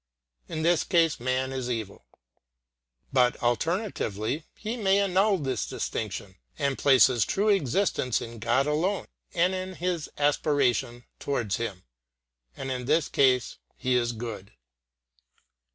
In this case man is evil. But, alternatively, he may annul this distinction and place his true existence in God alone and in his aspiration towards Him; and in this case he is good.